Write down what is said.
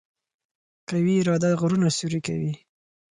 قوي اراده غرونه سوري کوي.